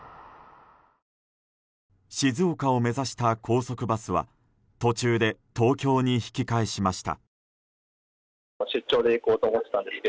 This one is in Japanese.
静岡を目指した高速バスは途中で東京に引き返しました。